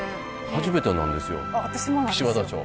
初めてなんですよ岸和田城。